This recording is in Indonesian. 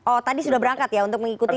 oh tadi sudah berangkat ya untuk mengikuti